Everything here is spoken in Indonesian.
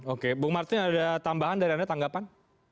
oke bung martin ada tambahan dari anda tanggapan